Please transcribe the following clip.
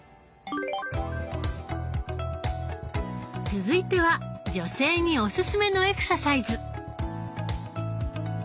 続いては女性におすすめのエクササイズ！